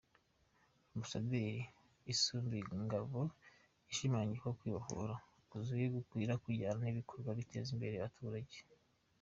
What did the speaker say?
Ambasaderi Isumbingabo yashimangiye ko kwibohora kuzuye gukwiye kujyana n’ibikorwa biteza imbere abaturage.